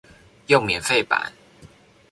用免費版